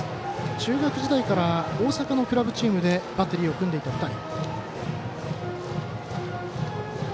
中学時代から大阪のクラブチームでバッテリーを組んでいた２人。